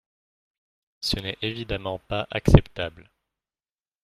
Ce n’est évidemment pas acceptable.